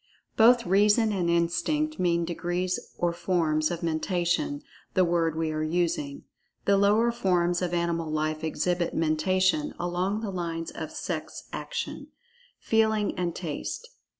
Both "Reason" and "Instinct" mean degrees or forms of "Mentation," the word we are using. The lower forms of animal life exhibit Mentation along the lines of sex action; feeling and taste.